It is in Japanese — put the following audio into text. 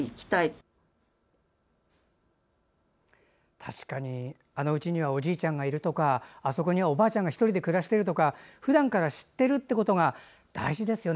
確かに、うちにはおじいちゃんがいるとかあそこには、おばあちゃんが１人で暮らしてるとかふだんから知っているということが大事ですよね。